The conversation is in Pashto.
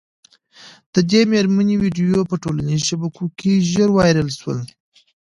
د دې مېرمني ویډیو په ټولنیزو شبکو کي ژر وایرل سوه